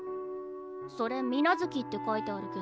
それ「水無月」って書いてあるけど。